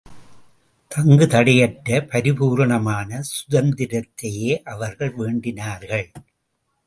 தங்குதடையற்ற பரிபூரணமான சுதந்திரத்தையே அவர்கள் வேண்டினார்கள்.